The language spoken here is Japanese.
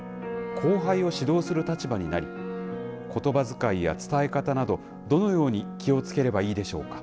後輩を指導する立場になりことばづかいや伝え方などどのように気をつければいいでしょうか？